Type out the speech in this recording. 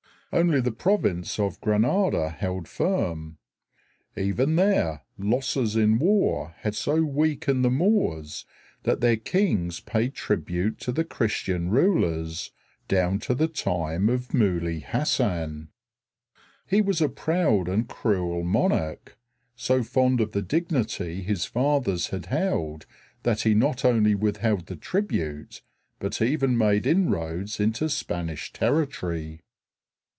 Only the province of Granada held firm. Even there, losses in war had so weakened the Moors that their kings paid tribute to the Christian rulers, down to the time of Muley Hassan. He was a proud and cruel monarch, so fond of the dignity his fathers had held that he not only withheld the tribute, but even made inroads into Spanish territory.